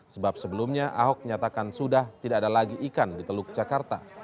sebab sebelumnya ahok menyatakan sudah tidak ada lagi ikan di teluk jakarta